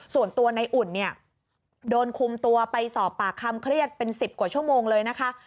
ส่วนตัวในอุ่นเนี่ยโดนคุมตัวไปสอบปากคำเครียดเป็น๑๐กว่าชั่วโมงเลยนะคะ